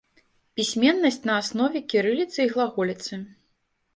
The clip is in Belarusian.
Пісьменнасць на аснове кірыліцы і глаголіцы.